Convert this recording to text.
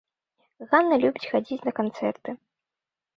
Ганна любіць хадзіць на канцэрты.